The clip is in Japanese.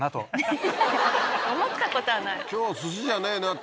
思った事はない。